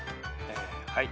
はい。